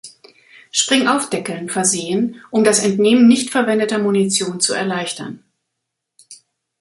Spring-Auf-Deckeln versehen, um das Entnehmen nicht verwendeter Munition zu erleichtern.